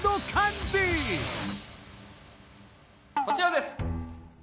こちらです！